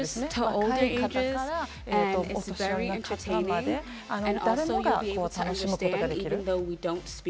若い方からお年寄りの方まで誰もが楽しむことができる。